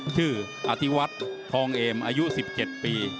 ชื่ออธิวัติทองเอ็มอายุ๑๗ปี